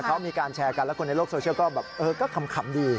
เขามีการแชร์กันแล้วคนในโลกโซเชียลก็แบบเออก็ขำดี